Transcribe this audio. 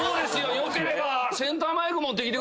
よければ。